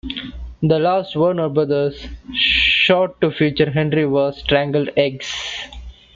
The last Warner Brothers short to feature Henery was "Strangled Eggs".